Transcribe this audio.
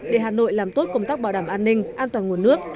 để hà nội làm tốt công tác bảo đảm an ninh an toàn nguồn nước